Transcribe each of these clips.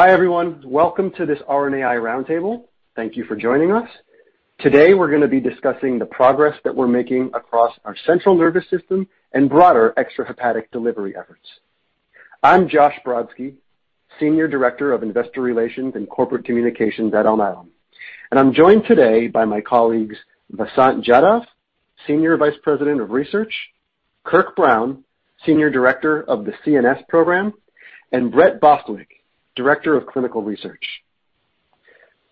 Hi everyone, welcome to this RNAi Roundtable. Thank you for joining us. Today we're going to be discussing the progress that we're making across our central nervous system and broader extrahepatic delivery efforts. I'm Josh Brodsky, Senior Director of Investor Relations and Corporate Communications at Alnylam, and I'm joined today by my colleagues Vasant Jadhav, Senior Vice President of Research, Kirk Brown, Senior Director of the CNS Program, and Brett Bostwick, Director of Clinical Research.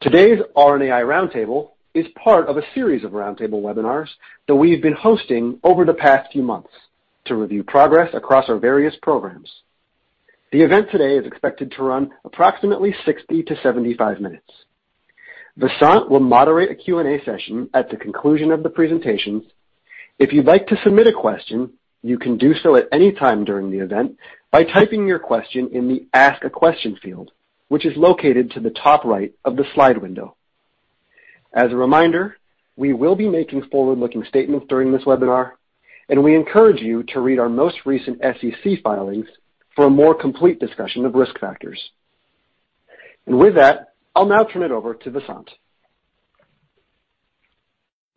Today's RNAi roundtable is part of a series of roundtable webinars that we've been hosting over the past few months to review progress across our various programs. The event today is expected to run approximately 60 - 75 minutes. Vasant will moderate a Q&A session at the conclusion of the presentations. If you'd like to submit a question, you can do so at any time during the event by typing your question in the Ask a Question field, which is located to the top right of the slide window. As a reminder, we will be making forward-looking statements during this webinar, and we encourage you to read our most recent SEC filings for a more complete discussion of risk factors, and with that, I'll now turn it over to Vasant.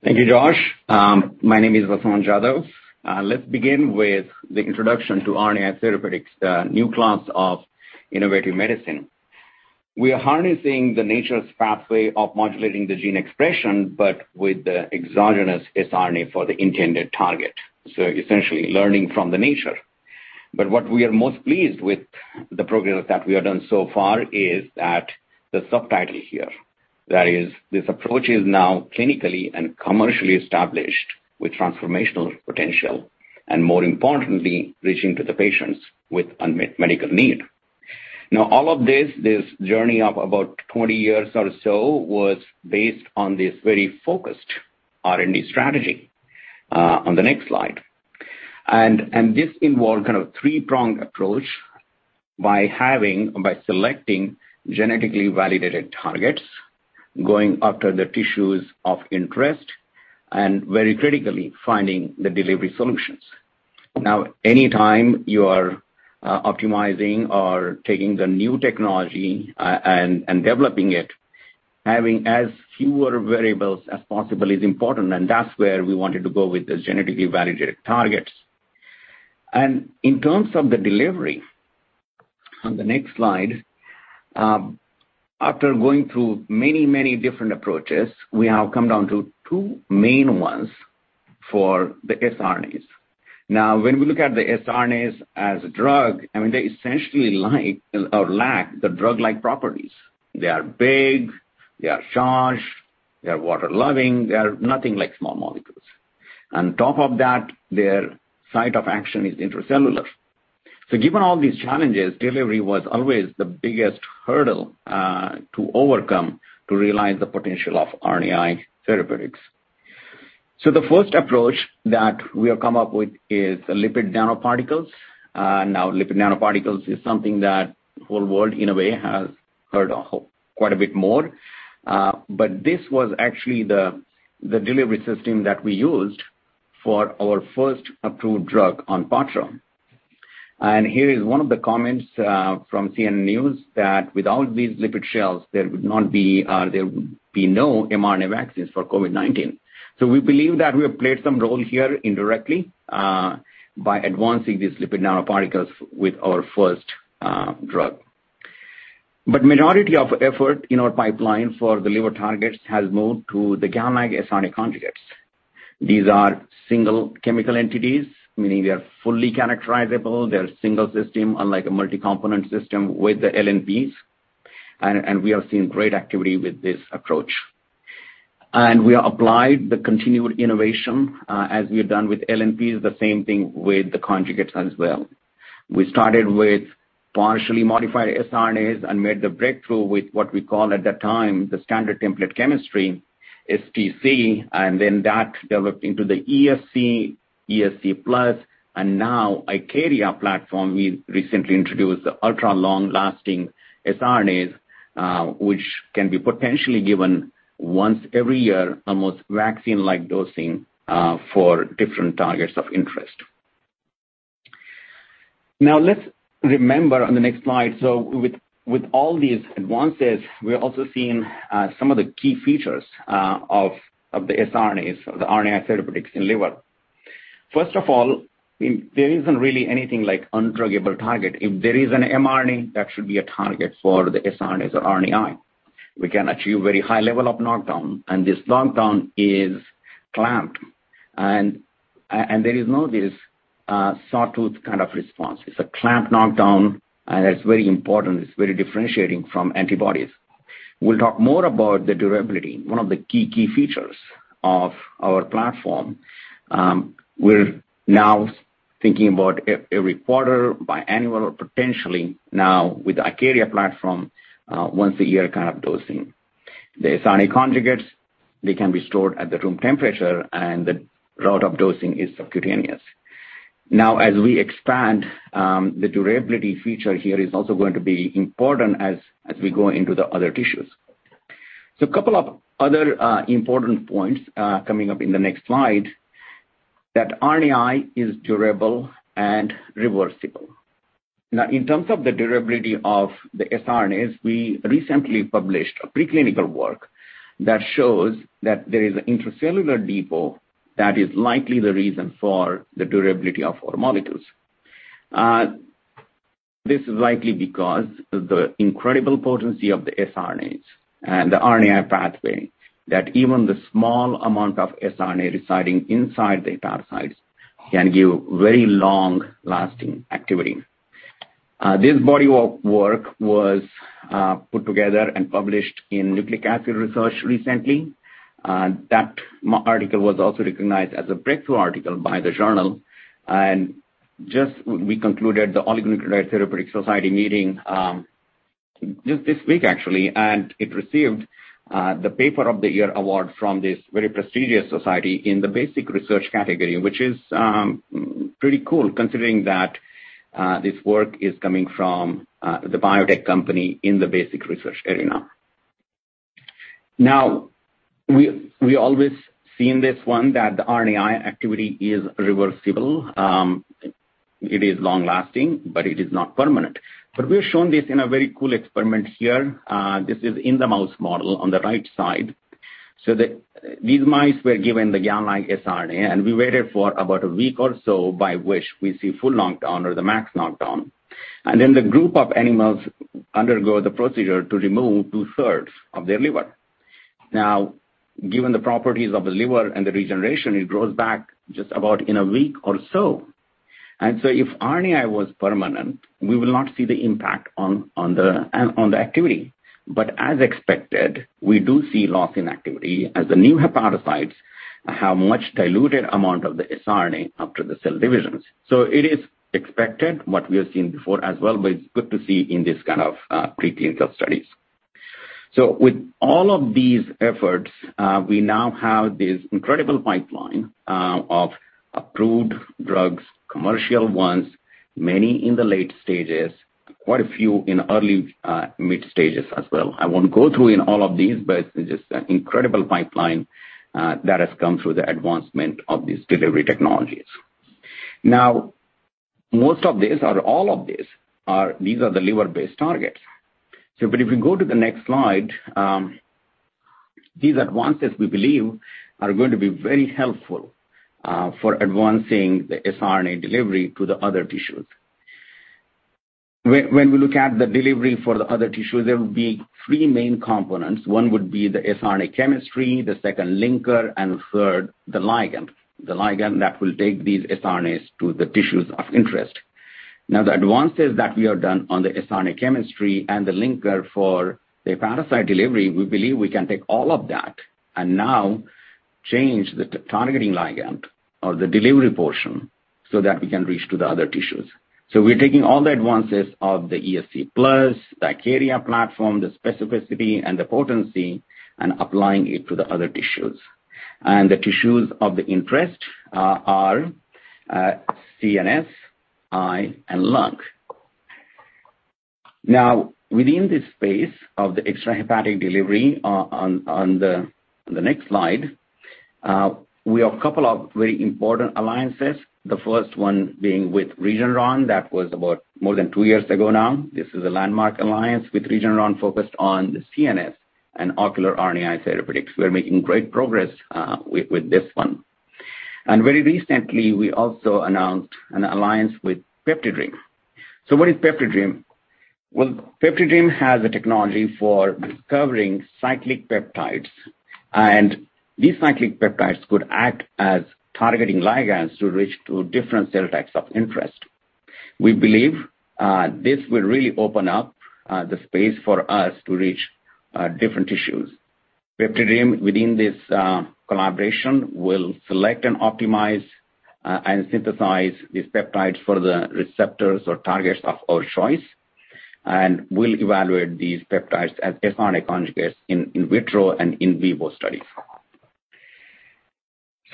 Thank you, Josh. My name is Vasant Jadhav. Let's begin with the introduction to RNAi therapeutics, the new class of innovative medicine. We are harnessing nature's pathway of modulating the gene expression, but with the exogenous siRNA for the intended target. So essentially learning from nature. But what we are most pleased with, the progress that we have done so far, is that the subtitle here, that is, this approach is now clinically and commercially established with transformational potential, and more importantly, reaching to the patients with unmet medical need. Now, all of this, this journey of about 20 years or so, was based on this very focused R&D strategy on the next slide. This involved kind of a three-pronged approach by selecting genetically validated targets, going after the tissues of interest, and very critically, finding the delivery solutions. Now, anytime you are optimizing or taking the new technology and developing it, having as few variables as possible is important, and that's where we wanted to go with the genetically validated targets. And in terms of the delivery, on the next slide, after going through many, many different approaches, we have come down to two main ones for the siRNAs. Now, when we look at the siRNAs as a drug, I mean, they essentially lack the drug-like properties. They are big, they are charged, they are water-loving, they are nothing like small molecules. On top of that, their site of action is intracellular. So given all these challenges, delivery was always the biggest hurdle to overcome to realize the potential of RNAi therapeutics. So the first approach that we have come up with is lipid nanoparticles. Now, lipid nanoparticles is something that the whole world, in a way, has heard of quite a bit more. But this was actually the delivery system that we used for our first approved drug Onpattro. And here is one of the comments from CNN that without these lipid shells, there would not be no mRNA vaccines for COVID-19. So we believe that we have played some role here indirectly by advancing these lipid nanoparticles with our first drug. But the majority of effort in our pipeline for the liver targets has moved to the GalNAc-siRNA conjugates. These are single chemical entities, meaning they are fully characterizable, they're a single system, unlike a multi-component system with the LNPs. And we have seen great activity with this approach. And we have applied the continued innovation as we have done with LNPs, the same thing with the conjugates as well. We started with partially modified siRNAs and made the breakthrough with what we call at that time the standard template chemistry, STC, and then that developed into the ESC, ESC Plus, and now IKARIA platform. We recently introduced the ultra-long-lasting siRNAs, which can be potentially given once every year, almost vaccine-like dosing for different targets of interest. Now, let's remember on the next slide. So with all these advances, we're also seeing some of the key features of the siRNAs, of the RNAi therapeutics in liver. First of all, there isn't really anything like undruggable target. If there is an mRNA, that should be a target for the siRNAs or RNAi. We can achieve a very high level of knockdown, and this knockdown is clamped, and there is no this sawtooth kind of response. It's a clamped knockdown, and that's very important. It's very differentiating from antibodies. We'll talk more about the durability, one of the key, key features of our platform. We're now thinking about every quarter, biannual, or potentially now with the IKARIA platform, once a year kind of dosing. The siRNA conjugates, they can be stored at room temperature, and the route of dosing is subcutaneous. Now, as we expand, the durability feature here is also going to be important as we go into the other tissues. So a couple of other important points coming up in the next slide that RNAi is durable and reversible. Now, in terms of the durability of the siRNAs, we recently published a preclinical work that shows that there is an intracellular depot that is likely the reason for the durability of our molecules. This is likely because of the incredible potency of the siRNAs and the RNAi pathway that even the small amount of siRNA residing inside the hepatocytes can give very long-lasting activity. This body of work was put together and published in Nucleic Acids Research recently. That article was also recognized as a breakthrough article by the journal. And just we concluded the Oligonucleotide Therapeutics Society meeting just this week, actually, and it received the Paper of the Year award from this very prestigious society in the basic research category, which is pretty cool considering that this work is coming from the biotech company in the basic research arena. Now, we always see in this one that the RNAi activity is reversible. It is long-lasting, but it is not permanent. But we have shown this in a very cool experiment here. This is in the mouse model on the right side. These mice were given the GalNAc siRNA, and we waited for about a week or so by which we see full knockdown or the max knockdown. Then the group of animals undergo the procedure to remove two-thirds of their liver. Given the properties of the liver and the regeneration, it grows back just about in a week or so. If RNAi was permanent, we will not see the impact on the activity. As expected, we do see loss in activity as the new hepatocytes have a much diluted amount of the siRNA after the cell divisions. It is expected what we have seen before as well, but it is good to see in this kind of preclinical studies. So with all of these efforts, we now have this incredible pipeline of approved drugs, commercial ones, many in the late stages, quite a few in early mid-stages as well. I won't go through all of these, but it's just an incredible pipeline that has come through the advancement of these delivery technologies. Now, most of these, or all of these, are the liver-based targets. So if we go to the next slide, these advances we believe are going to be very helpful for advancing the siRNA delivery to the other tissues. When we look at the delivery for the other tissues, there will be three main components. One would be the siRNA chemistry, the second linker, and third, the ligand. The ligand that will take these siRNAs to the tissues of interest. Now, the advances that we have done on the siRNA chemistry and the linker for the hepatocyte delivery, we believe we can take all of that and now change the targeting ligand or the delivery portion so that we can reach to the other tissues, so we're taking all the advances of the ESC Plus, the IKARIA platform, the specificity and the potency, and applying it to the other tissues, and the tissues of interest are CNS, eye, and lung. Now, within this space of the extrahepatic delivery on the next slide, we have a couple of very important alliances. The first one being with Regeneron that was about more than two years ago now. This is a landmark alliance with Regeneron focused on the CNS and ocular RNAi therapeutics. We are making great progress with this one, and very recently, we also announced an alliance with PeptiDream. What is PeptiDream? Well, PeptiDream has a technology for discovering cyclic peptides, and these cyclic peptides could act as targeting ligands to reach to different cell types of interest. We believe this will really open up the space for us to reach different tissues. PeptiDream, within this collaboration, will select and optimize and synthesize these peptides for the receptors or targets of our choice, and we'll evaluate these peptides as siRNA conjugates in in vitro and in vivo studies.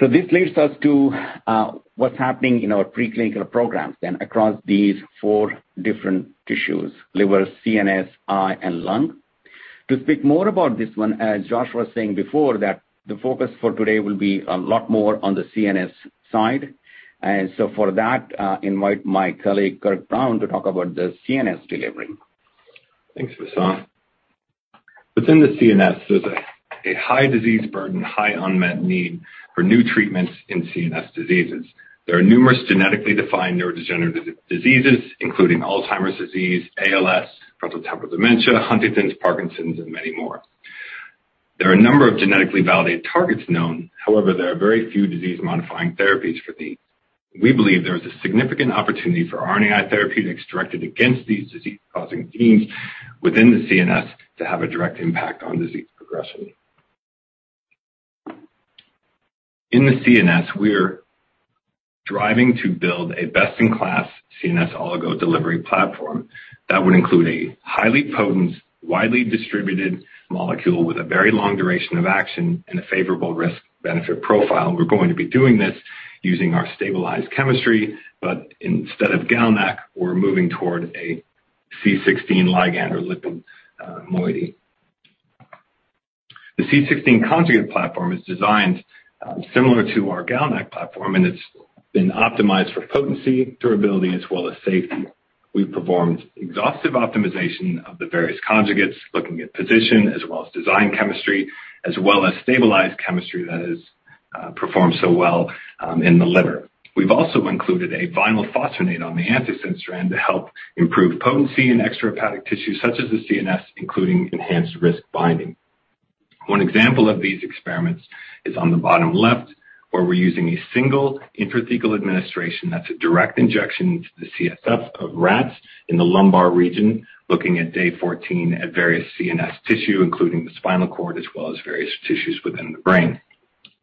This leads us to what's happening in our preclinical programs then across these four different tissues: liver, CNS, eye, and lung. To speak more about this one, as Josh was saying before, that the focus for today will be a lot more on the CNS side. And so for that, I invite my colleague Kirk Brown to talk about the CNS delivery. Thanks, Vasant. Within the CNS, there's a high disease burden, high unmet need for new treatments in CNS diseases. There are numerous genetically defined neurodegenerative diseases, including Alzheimer's disease, ALS, frontotemporal dementia, Huntington's, Parkinson's, and many more. There are a number of genetically validated targets known. However, there are very few disease-modifying therapies for these. We believe there is a significant opportunity for RNAi Therapeutics directed against these disease-causing genes within the CNS to have a direct impact on disease progression. In the CNS, we're driving to build a best-in-class CNS oligo delivery platform that would include a highly potent, widely distributed molecule with a very long duration of action and a favorable risk-benefit profile. We're going to be doing this using our stabilized chemistry, but instead of GalNAc, we're moving toward a C16 ligand or lipophilic moiety. The C16 conjugate platform is designed similar to our GalNAc platform, and it's been optimized for potency, durability, as well as safety. We've performed exhaustive optimization of the various conjugates, looking at position as well as design chemistry, as well as stabilized chemistry that has performed so well in the liver. We've also included a vinyl phosphonate on the antisense strand to help improve potency in extrahepatic tissues such as the CNS, including enhanced RISC binding. One example of these experiments is on the bottom left, where we're using a single intrathecal administration that's a direct injection into the CSF of rats in the lumbar region, looking at day 14 at various CNS tissue, including the spinal cord, as well as various tissues within the brain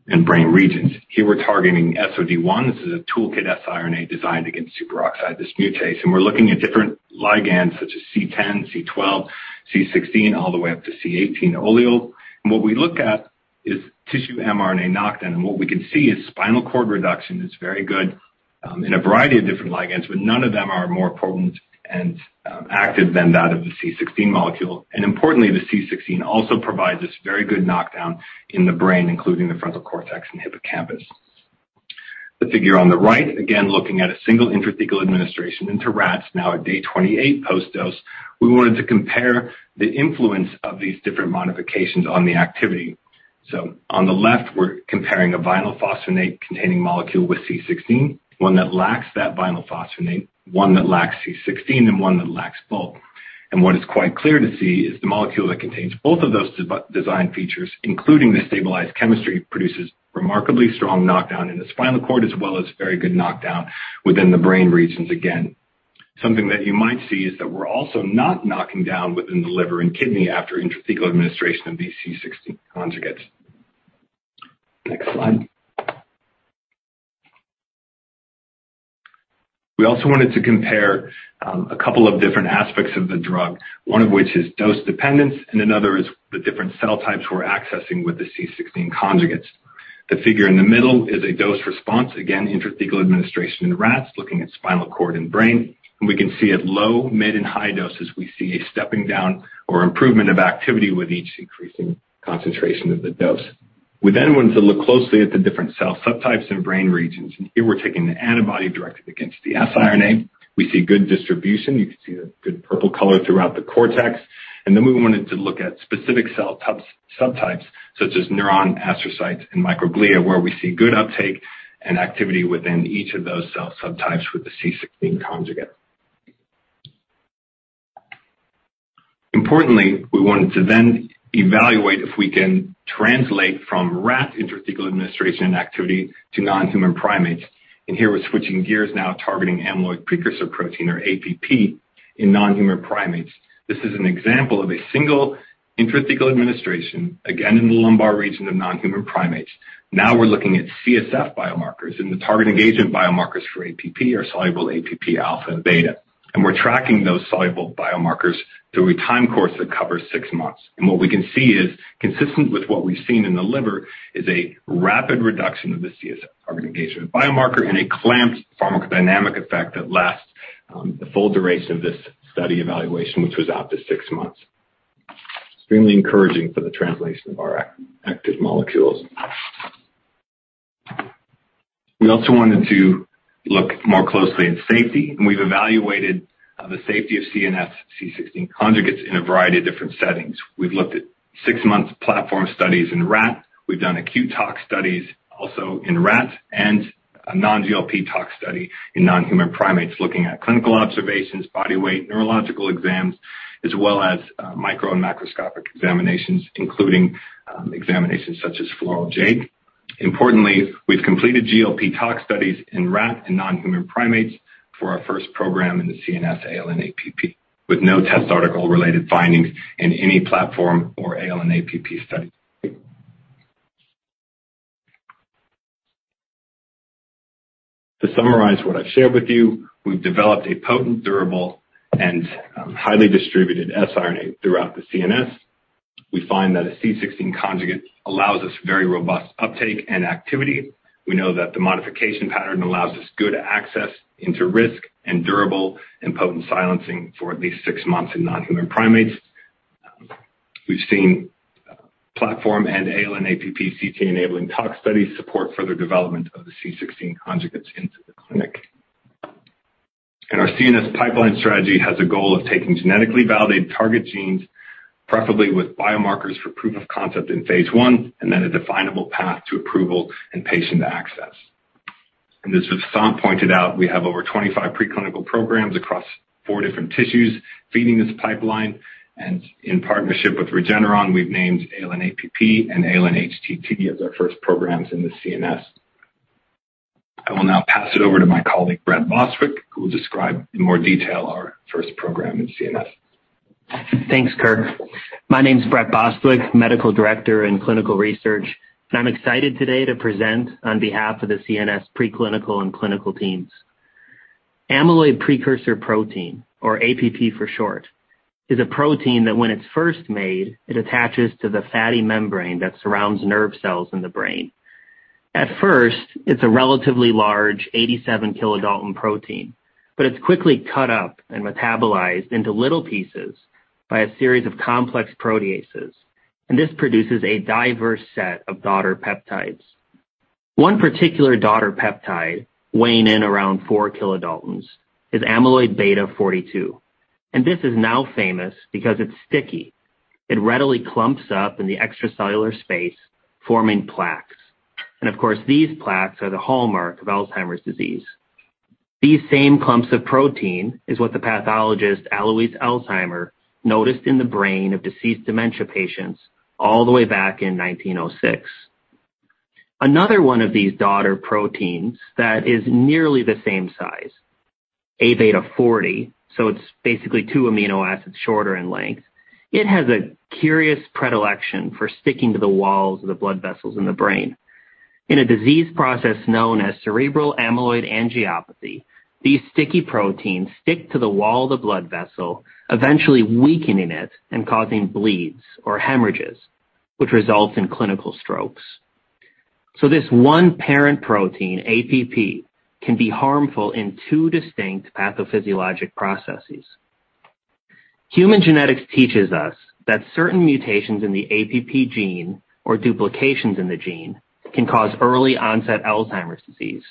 and brain regions. Here, we're targeting SOD1. This is a toolkit siRNA designed against superoxide dismutase. We're looking at different ligands such as C10, C12, C16, all the way up to C18 oleoyl. What we look at is tissue mRNA knockdown. What we can see is spinal cord reduction is very good in a variety of different ligands, but none of them are more potent and active than that of the C16 molecule. Importantly, the C16 also provides this very good knockdown in the brain, including the frontal cortex and hippocampus. The figure on the right, again, looking at a single intrathecal administration into rats, now at day 28 post-dose, we wanted to compare the influence of these different modifications on the activity. On the left, we're comparing a vinyl phosphonate-containing molecule with C16, one that lacks that vinyl phosphonate, one that lacks C16, and one that lacks both. What is quite clear to see is the molecule that contains both of those design features, including the stabilized chemistry, produces remarkably strong knockdown in the spinal cord, as well as very good knockdown within the brain regions. Again, something that you might see is that we're also not knocking down within the liver and kidney after intrathecal administration of these C16 conjugates. Next slide. We also wanted to compare a couple of different aspects of the drug, one of which is dose dependence, and another is the different cell types we're accessing with the C16 conjugates. The figure in the middle is a dose response, again, intrathecal administration in rats, looking at spinal cord and brain. And we can see at low, mid, and high doses, we see a stepping down or improvement of activity with each increasing concentration of the dose. We then wanted to look closely at the different cell subtypes and brain regions. And here, we're taking the antibody directed against the siRNA. We see good distribution. You can see the good purple color throughout the cortex. And then we wanted to look at specific cell subtypes such as neurons, astrocytes and microglia, where we see good uptake and activity within each of those cell subtypes with the C16 conjugate. Importantly, we wanted to then evaluate if we can translate from rat intrathecal administration activity to non-human primates. And here, we're switching gears now, targeting amyloid precursor protein, or APP, in non-human primates. This is an example of a single intrathecal administration, again, in the lumbar region of non-human primates. Now, we're looking at CSF biomarkers and the target engagement biomarkers for APP, or soluble APP alpha and beta. We're tracking those soluble biomarkers through a time course that covers six months. What we can see is consistent with what we've seen in the liver is a rapid reduction of the CSF target engagement biomarker and a clamped pharmacodynamic effect that lasts the full duration of this study evaluation, which was up to six months. Extremely encouraging for the translation of our active molecules. We also wanted to look more closely at safety. We've evaluated the safety of CNS C16 conjugates in a variety of different settings. We've looked at six-month platform studies in rat. We've done acute tox studies also in rats and a non-GLP tox study in non-human primates, looking at clinical observations, body weight, neurological exams, as well as micro and macroscopic examinations, including examinations such as [formal JAG. Importantly, we've completed GLP tox studies in rat and non-human primates for our first program in the CNS ALN-APP, with no test article-related findings in any platform or ALN-APP study. To summarize what I've shared with you, we've developed a potent, durable, and highly distributed siRNA throughout the CNS. We find that a C16 conjugate allows us very robust uptake and activity. We know that the modification pattern allows us good access into RISC and durable and potent silencing for at least six months in non-human primates. We've seen platform and ALN-APP CT-enabling tox studies support further development of the C16 conjugates into the clinic. And our CNS pipeline strategy has a goal of taking genetically validated target genes, preferably with biomarkers for proof of concept in phase one, and then a definable path to approval and patient access. As Vasant pointed out, we have over 25 preclinical programs across four different tissues feeding this pipeline. In partnership with Regeneron, we've named ALN-APP and ALN-HTT as our first programs in the CNS. I will now pass it over to my colleague Brett Bostwick, who will describe in more detail our first program in CNS. Thanks, Kirk. My name is Brett Bostwick, Medical Director and Director of Clinical Research. I'm excited today to present on behalf of the CNS preclinical and clinical teams. Amyloid precursor protein, or APP for short, is a protein that when it's first made, it attaches to the fatty membrane that surrounds nerve cells in the brain. At first, it's a relatively large 87-kilodalton protein, but it's quickly cut up and metabolized into little pieces by a series of complex proteases. This produces a diverse set of daughter peptides. One particular daughter peptide, weighing in around 4-kilodalton, is amyloid beta 42. This is now famous because it's sticky. It readily clumps up in the extracellular space, forming plaques. Of course, these plaques are the hallmark of Alzheimer's disease. These same clumps of protein is what the pathologist Alois Alzheimer noticed in the brain of deceased dementia patients all the way back in 1906. Another one of these daughter proteins that is nearly the same size, A beta 40, so it's basically two amino acids shorter in length, it has a curious predilection for sticking to the walls of the blood vessels in the brain. In a disease process known as cerebral amyloid angiopathy, these sticky proteins stick to the wall of the blood vessel, eventually weakening it and causing bleeds or hemorrhages, which results in clinical strokes. So this one parent protein, APP, can be harmful in two distinct pathophysiologic processes. Human genetics teaches us that certain mutations in the APP gene, or duplications in the gene, can cause early-onset Alzheimer's disease.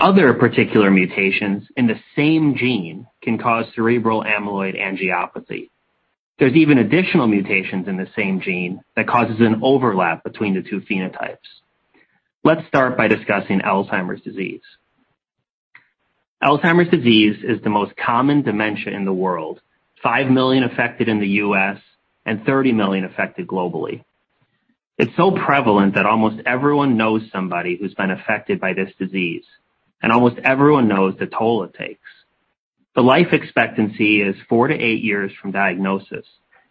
Other particular mutations in the same gene can cause cerebral amyloid angiopathy. There's even additional mutations in the same gene that cause an overlap between the two phenotypes. Let's start by discussing Alzheimer's disease. Alzheimer's disease is the most common dementia in the world, five million affected in the U.S. and 30 million affected globally. It's so prevalent that almost everyone knows somebody who's been affected by this disease, and almost everyone knows the toll it takes. The life expectancy is four to eight years from diagnosis,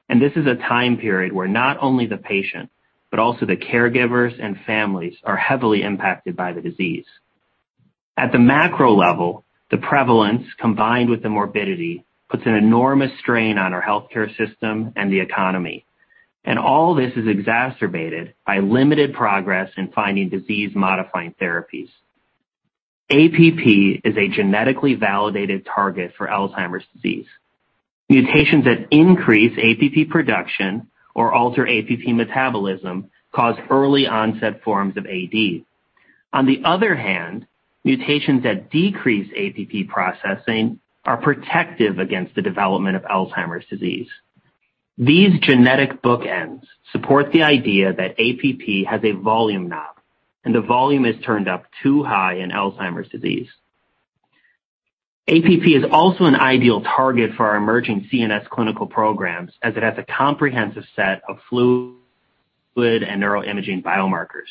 and this is a time period where not only the patient, but also the caregivers and families are heavily impacted by the disease. At the macro level, the prevalence combined with the morbidity puts an enormous strain on our healthcare system and the economy, and all this is exacerbated by limited progress in finding disease-modifying therapies. APP is a genetically validated target for Alzheimer's disease. Mutations that increase APP production or alter APP metabolism cause early-onset forms of AD. On the other hand, mutations that decrease APP processing are protective against the development of Alzheimer's disease. These genetic bookends support the idea that APP has a volume knob, and the volume is turned up too high in Alzheimer's disease. APP is also an ideal target for our emerging CNS clinical programs, as it has a comprehensive set of fluid and neuroimaging biomarkers.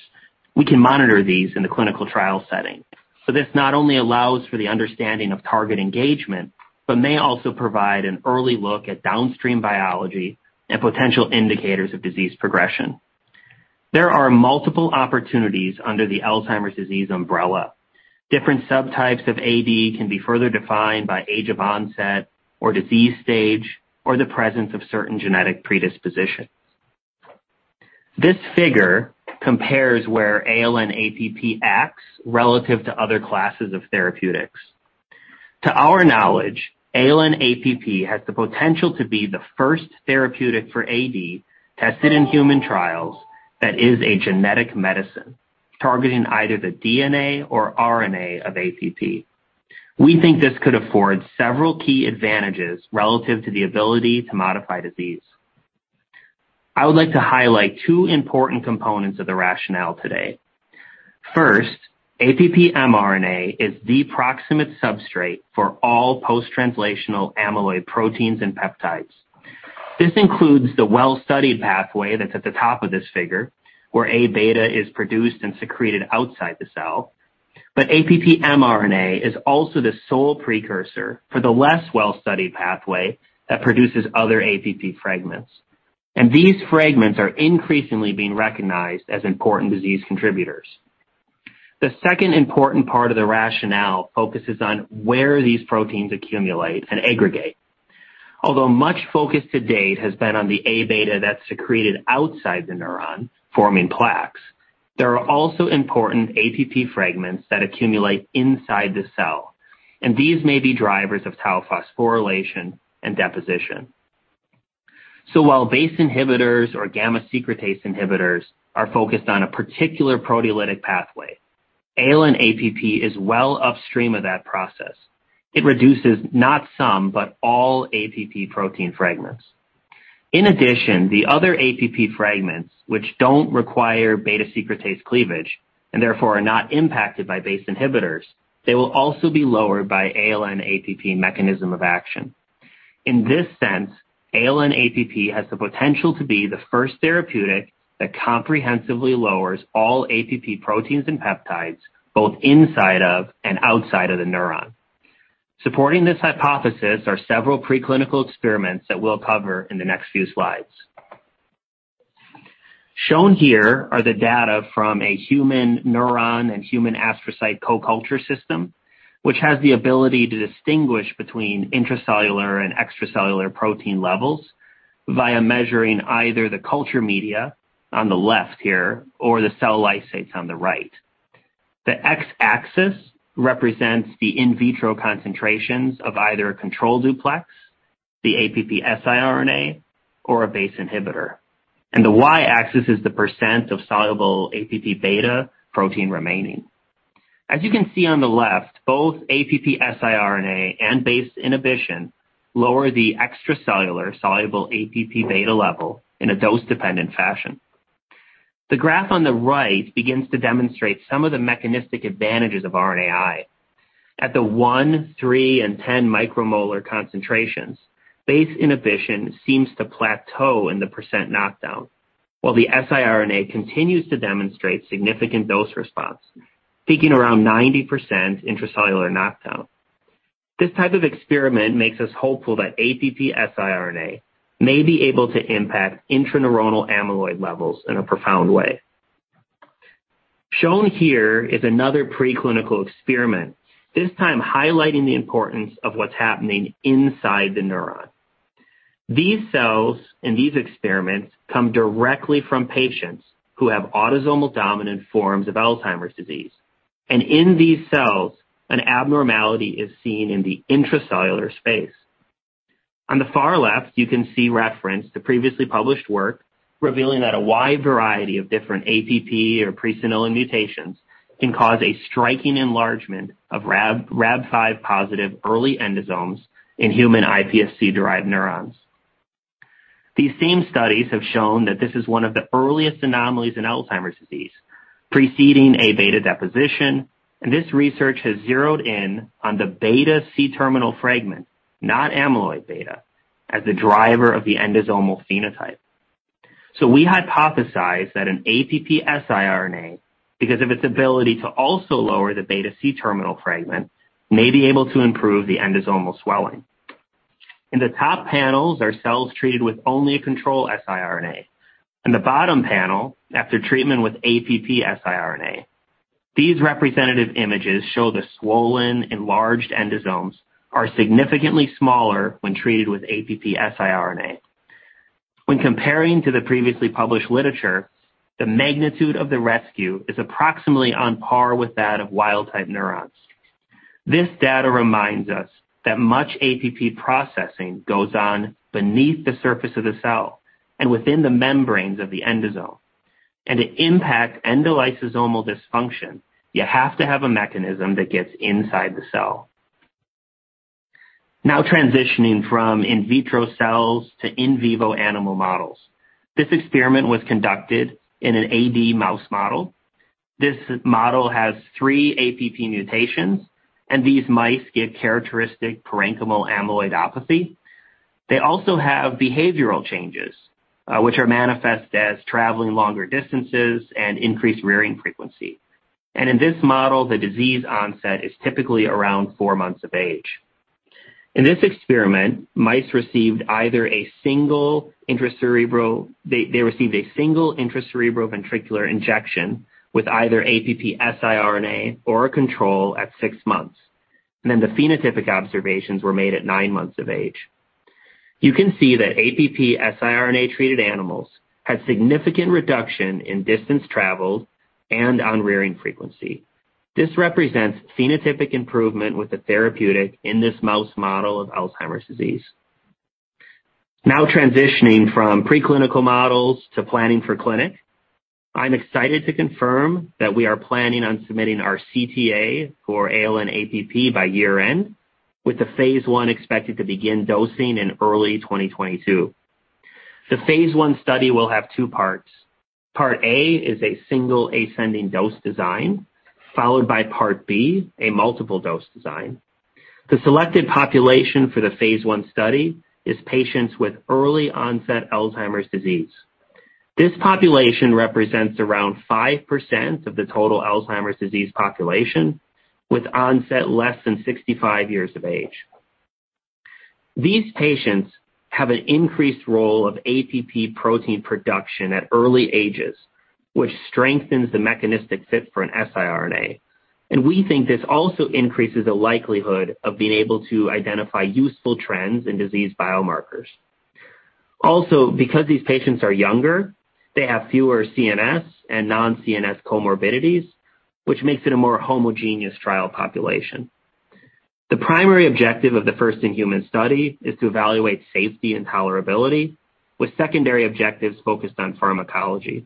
We can monitor these in the clinical trial setting. So this not only allows for the understanding of target engagement, but may also provide an early look at downstream biology and potential indicators of disease progression. There are multiple opportunities under the Alzheimer's disease umbrella. Different subtypes of AD can be further defined by age of onset or disease stage or the presence of certain genetic predispositions. This figure compares where ALN-APP acts relative to other classes of therapeutics. To our knowledge, ALN-APP has the potential to be the first therapeutic for AD tested in human trials that is a genetic medicine targeting either the DNA or RNA of APP. We think this could afford several key advantages relative to the ability to modify disease. I would like to highlight two important components of the rationale today. First, APP mRNA is the proximate substrate for all post-translational amyloid proteins and peptides. This includes the well-studied pathway that's at the top of this figure, where A beta is produced and secreted outside the cell, but APP mRNA is also the sole precursor for the less well-studied pathway that produces other APP fragments, and these fragments are increasingly being recognized as important disease contributors. The second important part of the rationale focuses on where these proteins accumulate and aggregate. Although much focus to date has been on the A beta that's secreted outside the neuron, forming plaques, there are also important APP fragments that accumulate inside the cell, and these may be drivers of tau phosphorylation and deposition, so while BACE inhibitors or gamma secretase inhibitors are focused on a particular proteolytic pathway, ALN-APP is well upstream of that process. It reduces not some, but all APP protein fragments. In addition, the other APP fragments, which don't require beta secretase cleavage and therefore are not impacted by BACE inhibitors, they will also be lowered by ALN-APP mechanism of action. In this sense, ALN-APP has the potential to be the first therapeutic that comprehensively lowers all APP proteins and peptides, both inside of and outside of the neuron. Supporting this hypothesis are several preclinical experiments that we'll cover in the next few slides. Shown here are the data from a human neuron and human astrocyte co-culture system, which has the ability to distinguish between intracellular and extracellular protein levels via measuring either the culture media on the left here or the cell lysates on the right. The x-axis represents the in vitro concentrations of either a control duplex, the APP siRNA, or a BACE inhibitor, and the y-axis is the percent of soluble APP beta protein remaining. As you can see on the left, both APP siRNA and BACE inhibition lower the extracellular soluble APP beta level in a dose-dependent fashion. The graph on the right begins to demonstrate some of the mechanistic advantages of RNAi. At the one, three, and 10 micromolar concentrations, BACE inhibition seems to plateau in the % knockdown, while the siRNA continues to demonstrate significant dose response, peaking around 90% intracellular knockdown. This type of experiment makes us hopeful that APP siRNA may be able to impact intraneuronal amyloid levels in a profound way. Shown here is another preclinical experiment, this time highlighting the importance of what's happening inside the neuron. These cells in these experiments come directly from patients who have autosomal dominant forms of Alzheimer's disease, and in these cells, an abnormality is seen in the intracellular space. On the far left, you can see reference to previously published work revealing that a wide variety of different APP or presenilin mutations can cause a striking enlargement of Rab5 positive early endosomes in human iPSC-derived neurons. These same studies have shown that this is one of the earliest anomalies in Alzheimer's disease, preceding A beta deposition, and this research has zeroed in on the beta C-terminal fragment, not amyloid beta, as the driver of the endosomal phenotype, so we hypothesize that an APP siRNA, because of its ability to also lower the beta C-terminal fragment, may be able to improve the endosomal swelling. In the top panels are cells treated with only a control siRNA. In the bottom panel, after treatment with APP siRNA, these representative images show the swollen, enlarged endosomes are significantly smaller when treated with APP siRNA. When comparing to the previously published literature, the magnitude of the rescue is approximately on par with that of wild-type neurons. This data reminds us that much APP processing goes on beneath the surface of the cell and within the membranes of the endosome. To impact endolysosomal dysfunction, you have to have a mechanism that gets inside the cell. Now transitioning from in vitro cells to in vivo animal models. This experiment was conducted in an AD mouse model. This model has three APP mutations, and these mice give characteristic parenchymal amyloidopathy. They also have behavioral changes, which are manifest as traveling longer distances and increased rearing frequency. In this model, the disease onset is typically around four months of age. In this experiment, mice received either a single intracerebroventricular injection with either APP siRNA or a control at six months. Then the phenotypic observations were made at nine months of age. You can see that APP siRNA-treated animals had significant reduction in distance traveled and on rearing frequency. This represents phenotypic improvement with the therapeutic in this mouse model of Alzheimer's disease. Now transitioning from preclinical models to planning for clinic, I'm excited to confirm that we are planning on submitting our CTA for ALN-APP by year-end, with the phase one expected to begin dosing in early 2022. The phase one study will have two parts. Part A is a single ascending dose design, followed by Part B, a multiple dose design. The selected population for the phase one study is patients with early-onset Alzheimer's disease. This population represents around 5% of the total Alzheimer's disease population, with onset less than 65 years of age. These patients have an increased role of APP protein production at early ages, which strengthens the mechanistic fit for an siRNA, and we think this also increases the likelihood of being able to identify useful trends in disease biomarkers. Also, because these patients are younger, they have fewer CNS and non-CNS comorbidities, which makes it a more homogeneous trial population. The primary objective of the first in-human study is to evaluate safety and tolerability, with secondary objectives focused on pharmacology.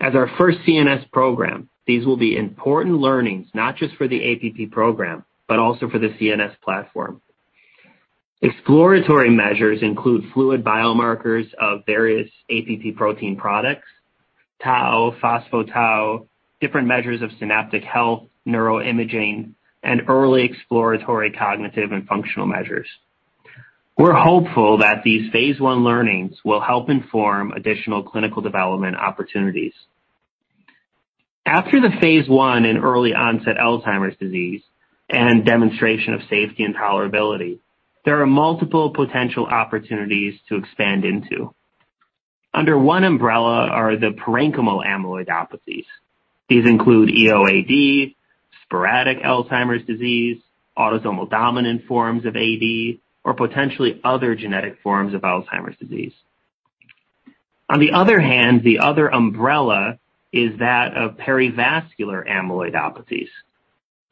As our first CNS program, these will be important learnings not just for the APP program, but also for the CNS platform. Exploratory measures include fluid biomarkers of various APP protein products, tau, phosphotau, different measures of synaptic health, neuroimaging, and early exploratory cognitive and functional measures. We're hopeful that these phase one learnings will help inform additional clinical development opportunities. After the phase one in early-onset Alzheimer's disease and demonstration of safety and tolerability, there are multiple potential opportunities to expand into. Under one umbrella are the parenchymal amyloidopathies. These include EOAD, sporadic Alzheimer's disease, autosomal dominant forms of AD, or potentially other genetic forms of Alzheimer's disease. On the other hand, the other umbrella is that of perivascular amyloidopathies.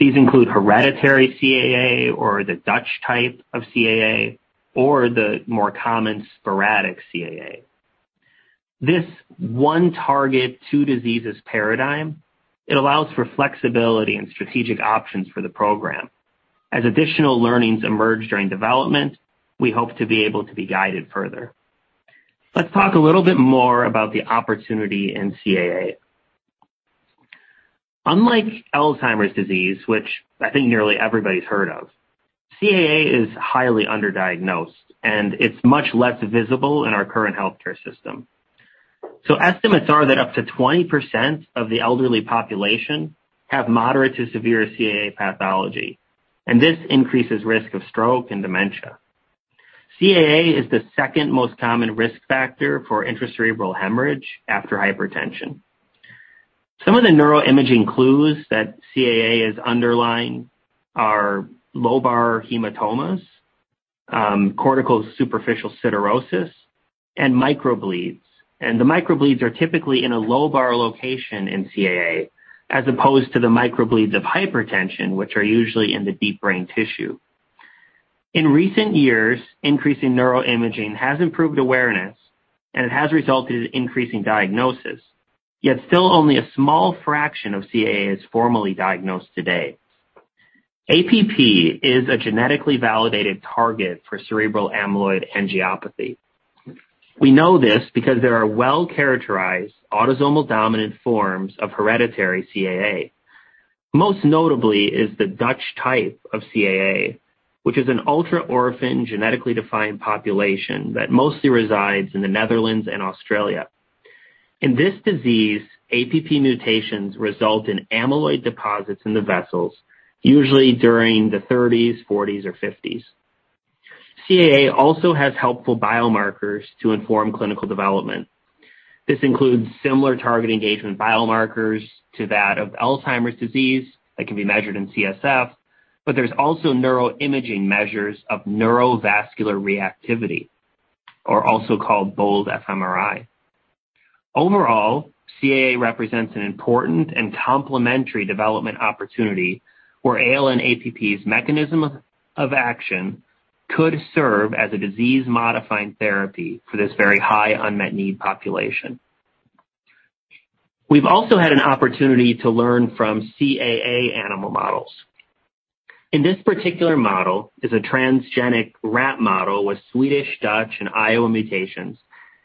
These include hereditary CAA, or the Dutch type of CAA, or the more common sporadic CAA. This one-target, two diseases paradigm, it allows for flexibility and strategic options for the program. As additional learnings emerge during development, we hope to be able to be guided further. Let's talk a little bit more about the opportunity in CAA. Unlike Alzheimer's disease, which I think nearly everybody's heard of, CAA is highly underdiagnosed, and it's much less visible in our current healthcare system. So estimates are that up to 20% of the elderly population have moderate to severe CAA pathology, and this increases risk of stroke and dementia. CAA is the second most common risk factor for intracerebral hemorrhage after hypertension. Some of the neuroimaging clues that CAA is underlying are lobar hematomas, cortical superficial siderosis, and microbleeds. The microbleeds are typically in a lobar location in CAA, as opposed to the microbleeds of hypertension, which are usually in the deep brain tissue. In recent years, increasing neuroimaging has improved awareness, and it has resulted in increasing diagnosis, yet still only a small fraction of CAA is formally diagnosed today. APP is a genetically validated target for cerebral amyloid angiopathy. We know this because there are well-characterized autosomal dominant forms of hereditary CAA. Most notably is the Dutch type of CAA, which is an ultra-orphan genetically defined population that mostly resides in the Netherlands and Australia. In this disease, APP mutations result in amyloid deposits in the vessels, usually during the 30s, 40s, or 50s. CAA also has helpful biomarkers to inform clinical development. This includes similar target engagement biomarkers to that of Alzheimer's disease that can be measured in CSF, but there's also neuroimaging measures of neurovascular reactivity, or also called BOLD fMRI. Overall, CAA represents an important and complementary development opportunity where ALN-APP's mechanism of action could serve as a disease-modifying therapy for this very high unmet need population. We've also had an opportunity to learn from CAA animal models. In this particular model is a transgenic rat model with Swedish, Dutch, and Iowa mutations.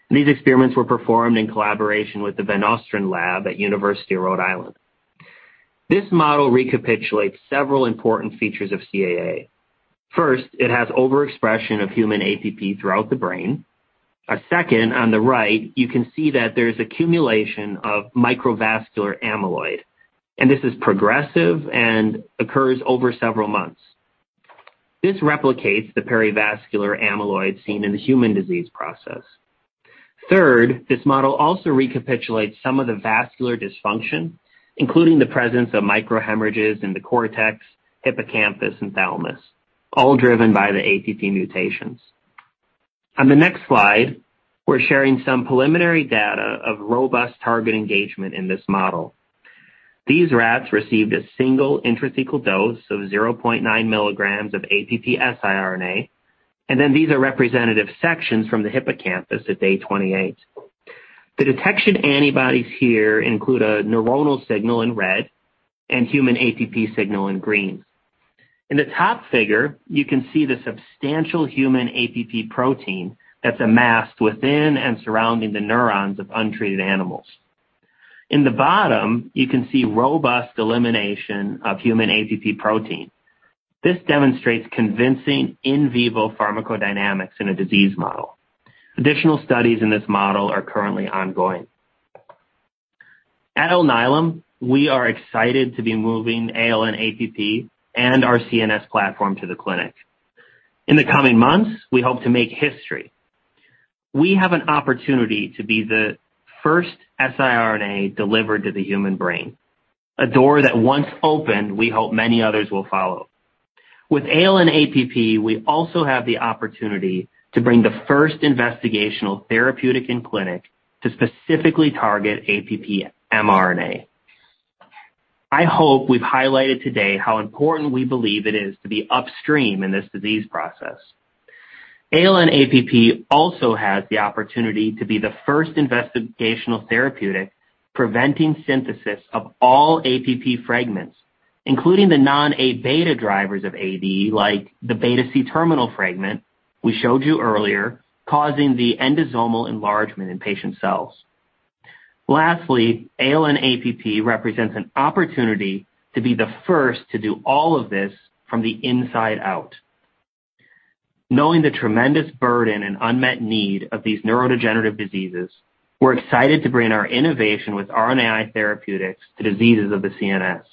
These experiments were performed in collaboration with the Van Nostrand Lab at the University of Rhode Island. This model recapitulates several important features of CAA. First, it has overexpression of human APP throughout the brain. Second, on the right, you can see that there's accumulation of microvascular amyloid, and this is progressive and occurs over several months. This replicates the perivascular amyloid seen in the human disease process. Third, this model also recapitulates some of the vascular dysfunction, including the presence of microhemorrhages in the cortex, hippocampus, and thalamus, all driven by the APP mutations. On the next slide, we're sharing some preliminary data of robust target engagement in this model. These rats received a single intrathecal dose of 0.9 milligrams of APP siRNA, and then these are representative sections from the hippocampus at day 28. The detection antibodies here include a neuronal signal in red and human APP signal in green. In the top figure, you can see the substantial human APP protein that's amassed within and surrounding the neurons of untreated animals. In the bottom, you can see robust elimination of human APP protein. This demonstrates convincing in vivo pharmacodynamics in a disease model. Additional studies in this model are currently ongoing. At Alnylam, we are excited to be moving ALN-APP and our CNS platform to the clinic. In the coming months, we hope to make history. We have an opportunity to be the first siRNA delivered to the human brain, a door that once opened, we hope many others will follow. With ALN-APP, we also have the opportunity to bring the first investigational therapeutic in clinic to specifically target APP mRNA. I hope we've highlighted today how important we believe it is to be upstream in this disease process. ALN-APP also has the opportunity to be the first investigational therapeutic preventing synthesis of all APP fragments, including the non-A beta drivers of AD, like the beta C-terminal fragment we showed you earlier, causing the endosomal enlargement in patient cells. Lastly, ALN-APP represents an opportunity to be the first to do all of this from the inside out. Knowing the tremendous burden and unmet need of these neurodegenerative diseases, we're excited to bring our innovation with RNAi therapeutics to diseases of the CNS.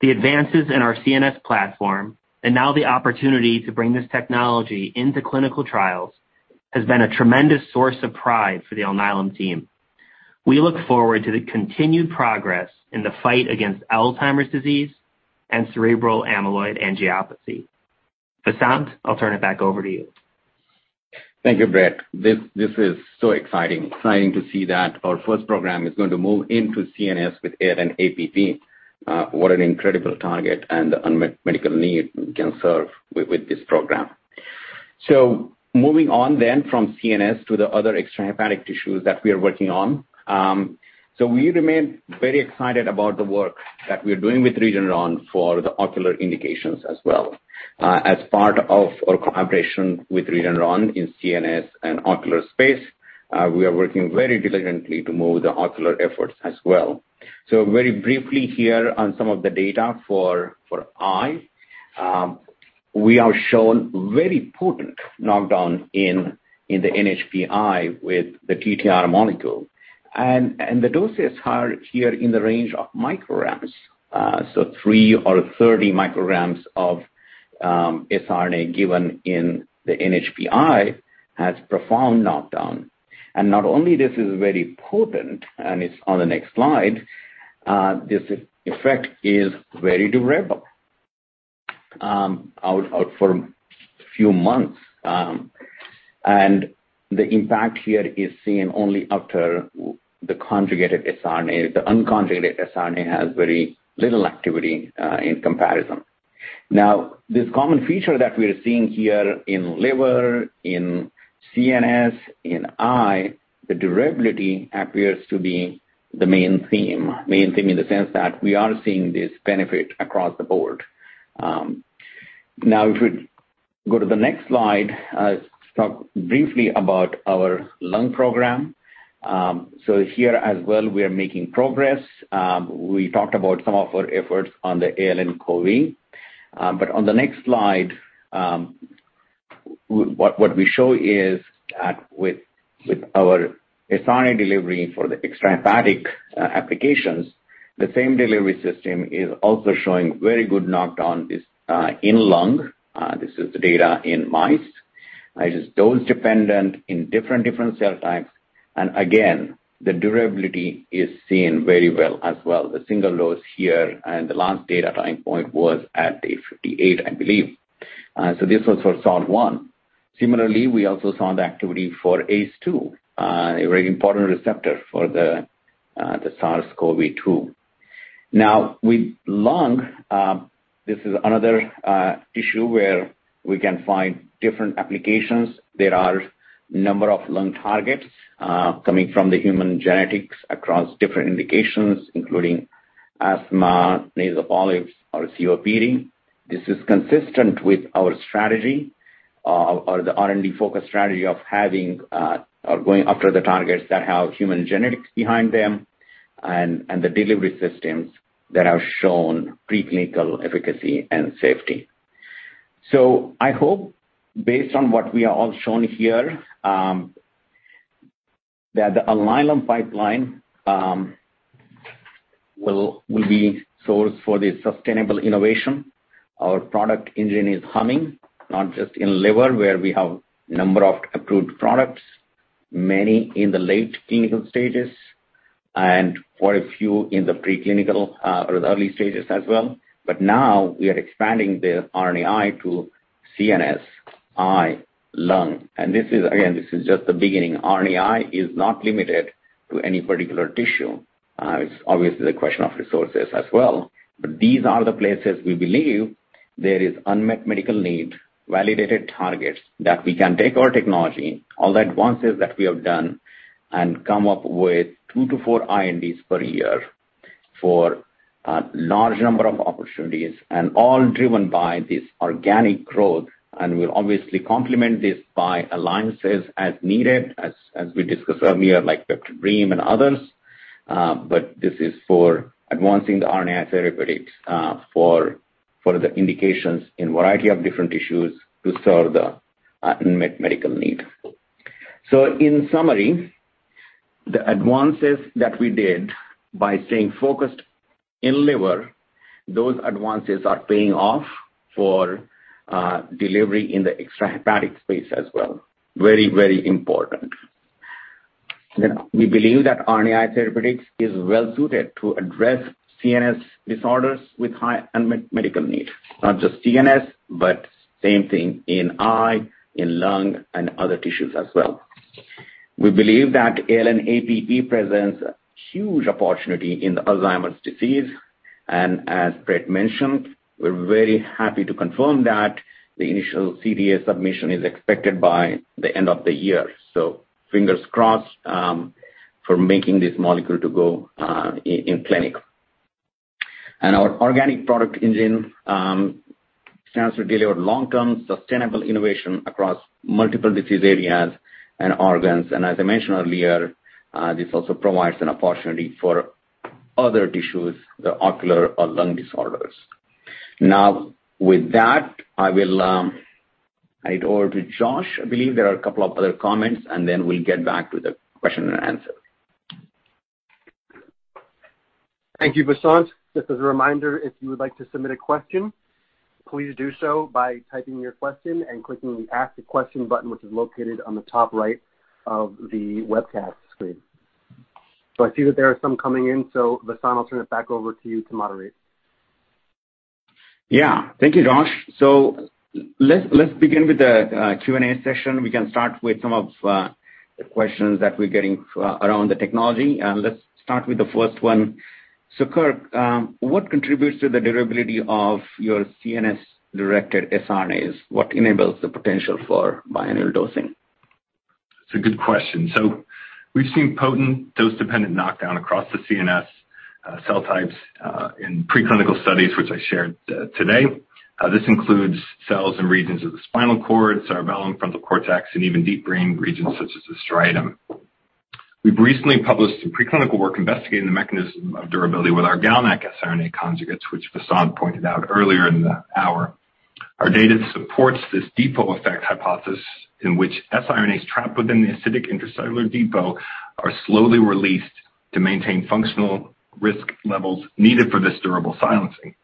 The advances in our CNS platform and now the opportunity to bring this technology into clinical trials has been a tremendous source of pride for the Alnylam team. We look forward to the continued progress in the fight against Alzheimer's disease and cerebral amyloid angiopathy. Vasant, I'll turn it back over to you. Thank you, Brett. This is so exciting. Exciting to see that our first program is going to move into CNS with ALN-APP. What an incredible target and the unmet medical need we can serve with this program. Moving on then from CNS to the other extrahepatic tissues that we are working on. We remain very excited about the work that we are doing with Regeneron for the ocular indications as well. As part of our collaboration with Regeneron in CNS and ocular space, we are working very diligently to move the ocular efforts as well. Very briefly here on some of the data for eye, we are shown very potent knockdown in the NHP eye with the TTR molecule. The dose is here in the range of micrograms. Three or 30 micrograms of siRNA given in the NHP eye has profound knockdown. And not only this is very potent, and it's on the next slide. This effect is very durable for a few months. And the impact here is seen only after the conjugated siRNA. The unconjugated siRNA has very little activity in comparison. Now, this common feature that we are seeing here in liver, in CNS, in eye, the durability appears to be the main theme. Main theme in the sense that we are seeing this benefit across the board. Now, if we go to the next slide, let's talk briefly about our lung program. So here as well, we are making progress. We talked about some of our efforts on the ALN-COVID. But on the next slide, what we show is that with our siRNA delivery for the extrahepatic applications, the same delivery system is also showing very good knockdown in lung. This is the data in mice. It is dose-dependent in different cell types. And again, the durability is seen very well as well. The single dose here, and the last data time point was at day 58, I believe. So this was for SARS-1. Similarly, we also saw the activity for ACE2, a very important receptor for the SARS-CoV-2. Now, with lung, this is another issue where we can find different applications. There are a number of lung targets coming from the human genetics across different indications, including asthma, nasal polyps, or COPD. This is consistent with our strategy or the R&D-focused strategy of having or going after the targets that have human genetics behind them and the delivery systems that have shown preclinical efficacy and safety. So I hope, based on what we are all shown here, that the Alnylam pipeline will be sourced for the sustainable innovation. Our product engine is humming, not just in liver, where we have a number of approved products, many in the late clinical stages, and quite a few in the preclinical or early stages as well. But now we are expanding the RNAi to CNS, eye, lung, and this is, again, this is just the beginning. RNAi is not limited to any particular tissue. It's obviously a question of resources as well, but these are the places we believe there is unmet medical need, validated targets that we can take our technology, all the advances that we have done, and come up with two to four INDs per year for a large number of opportunities, and all driven by this organic growth, and we'll obviously complement this by alliances as needed, as we discussed earlier, like PeptiDream and others. But this is for advancing the RNAi therapeutics for the indications in a variety of different tissues to serve the unmet medical need. So in summary, the advances that we did by staying focused in liver, those advances are paying off for delivery in the extrahepatic space as well. Very, very important. We believe that RNAi therapeutics is well-suited to address CNS disorders with high unmet medical need, not just CNS, but same thing in eye, in lung, and other tissues as well. We believe that ALN-APP presents a huge opportunity in Alzheimer's disease. And as Brett mentioned, we're very happy to confirm that the initial CTA submission is expected by the end of the year. So fingers crossed for making this molecule to go in clinic. And our organic product engine stands to deliver long-term sustainable innovation across multiple disease areas and organs. And as I mentioned earlier, this also provides an opportunity for other tissues, the ocular or lung disorders. Now, with that, I will hand it over to Josh. I believe there are a couple of other comments, and then we'll get back to the question and answer. Thank you, Vasant. Just as a reminder, if you would like to submit a question, please do so by typing your question and clicking the Ask a Question button, which is located on the top right of the webcast screen. So I see that there are some coming in. So Vasant, I'll turn it back over to you to moderate. Yeah. Thank you, Josh. So let's begin with the Q&A session. We can start with some of the questions that we're getting around the technology. Let's start with the first one. So Kirk, what contributes to the durability of your CNS-directed siRNAs? What enables the potential for biannual dosing? It's a good question. So we've seen potent dose-dependent knockdown across the CNS cell types in preclinical studies, which I shared today. This includes cells in regions of the spinal cord, cerebellum, frontal cortex, and even deep brain regions such as the striatum. We've recently published some preclinical work investigating the mechanism of durability with our GalNAc siRNA conjugates, which Vasant pointed out earlier in the hour. Our data supports this depot effect hypothesis in which siRNAs trapped within the acidic intracellular depot are slowly released to maintain functional RISC levels needed for this durable silencing.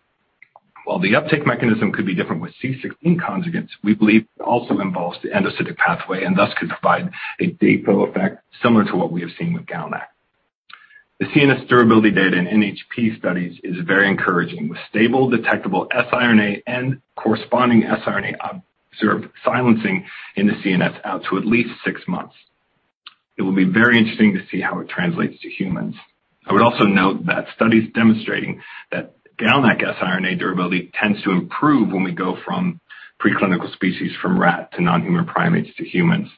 While the uptake mechanism could be different with C16 conjugates, we believe it also involves the endocytic pathway and thus could provide a depot effect similar to what we have seen with GalNAc. The CNS durability data in NHP studies is very encouraging, with stable detectable siRNA and corresponding siRNA observed silencing in the CNS out to at least six months. It will be very interesting to see how it translates to humans. I would also note that studies demonstrating that GalNAc siRNA durability tends to improve when we go from preclinical species from rat to non-human primates to humans.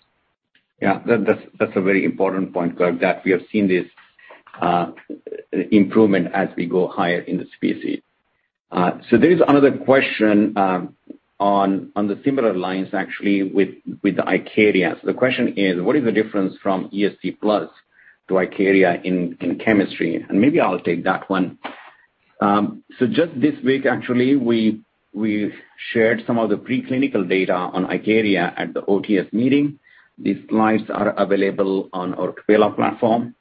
Yeah. That's a very important point, Kirk, that we have seen this improvement as we go higher in the species. So there is another question on the similar lines, actually, with the IKARIA. So the question is, what is the difference from ESC+ to IKARIA in chemistry? And maybe I'll take that one. So just this week, actually, we shared some of the preclinical data on IKARIA at the OTS meeting. These slides are available on our [Trapelo] platform.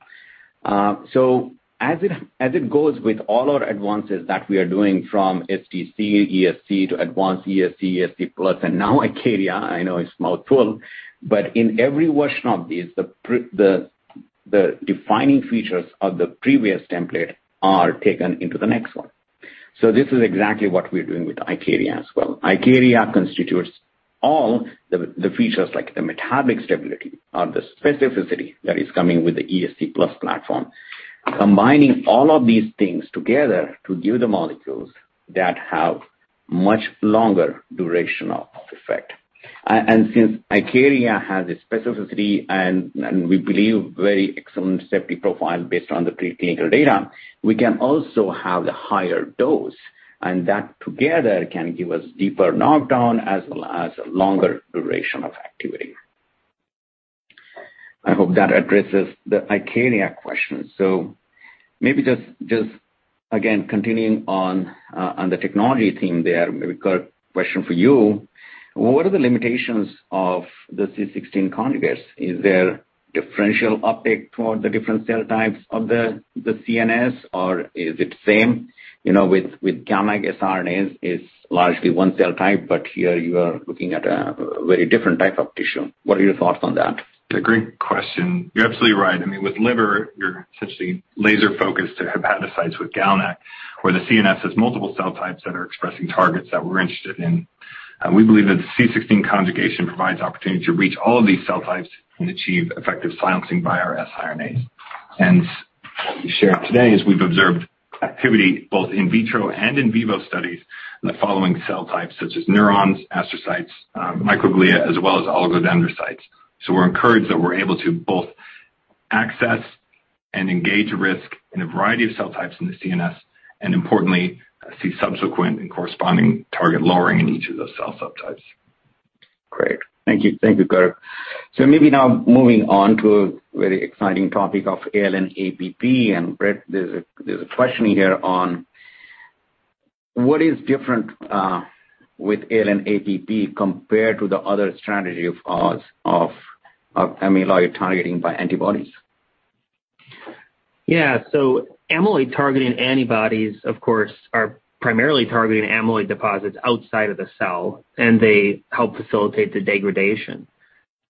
So as it goes with all our advances that we are doing from STC, ESC, to advanced ESC, ESC+, and now IKARIA, I know it's a mouthful, but in every version of these, the defining features of the previous template are taken into the next one. So this is exactly what we're doing with IKARIA as well. IKARIA constitutes all the features like the metabolic stability or the specificity that is coming with the ESC+ platform, combining all of these things together to give the molecules that have much longer duration of effect. Since IKARIA has a specificity and we believe very excellent safety profile based on the preclinical data, we can also have a higher dose. And that together can give us deeper knockdown as well as a longer duration of activity. I hope that addresses the IKARIA question. Maybe just, again, continuing on the technology theme there, maybe Kirk, question for you. What are the limitations of the C16 conjugates? Is there differential uptake toward the different cell types of the CNS, or is it same? With GalNAc siRNAs, it's largely one cell type, but here you are looking at a very different type of tissue. What are your thoughts on that? It's a great question. You're absolutely right. I mean, with liver, you're essentially laser-focused to hepatocytes with GalNAc, where the CNS has multiple cell types that are expressing targets that we're interested in. We believe that the C16 conjugation provides opportunity to reach all of these cell types and achieve effective silencing by our siRNAs. And what we shared today is we've observed activity both in vitro and in vivo studies in the following cell types, such as neurons, astrocytes, microglia, as well as oligodendrocytes. So we're encouraged that we're able to both access and engage RISC in a variety of cell types in the CNS, and importantly, see subsequent and corresponding target lowering in each of those cell subtypes. Great. Thank you. Thank you, Kirk. So maybe now moving on to a very exciting topic of ALN-APP. And Brett, there's a question here on what is different with ALN-APP compared to the other strategy of ours of amyloid targeting by antibodies? Yeah. So amyloid targeting antibodies, of course, are primarily targeting amyloid deposits outside of the cell, and they help facilitate the degradation.